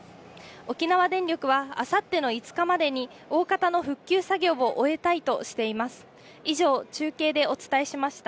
沖縄電力は、あさっての５日までに、おおかたの復旧作業を終えたいとしています。